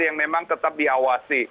yang memang tetap dianggap